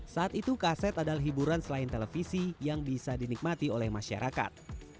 saat itu kaset adalah hiburan selain televisi yang bisa dinikmati oleh masyarakat